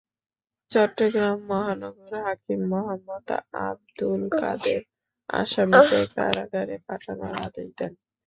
চট্টগ্রাম মহানগর হাকিম মোহাম্মদ আবদুল কাদের আসামিকে কারাগারে পাঠানোর আদেশ দেন।